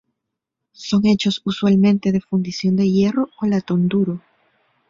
Son hechos usualmente de fundición de hierro o latón duro.